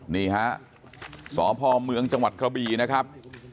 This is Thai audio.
นี่ฮะสพเมืองจังหวัดกระบีนะครับ